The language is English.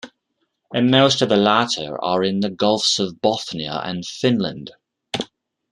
Most of the latter are in the Gulfs of Bothnia and Finland.